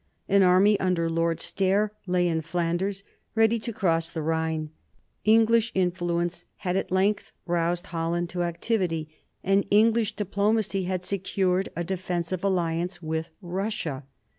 An army, under Lord Stair, lay in Flanders ready to cross the Rhine. English influence had at length roused Holland to activity ; and English diplomacy had secured a defensive alliance with Russia.